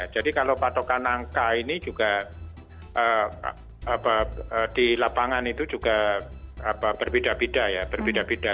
jadi kalau patokan angka ini juga di lapangan itu juga berbeda beda